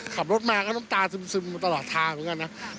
ขับรถมาก็น้ำตาซึมตลอดทางเหมือนกันนะ